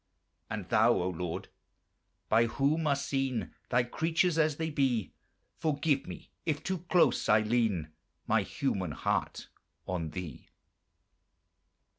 And Thou, O Lord! by whom are seen Thy creatures as they be, Forgive me if too close I lean My human heart on Thee!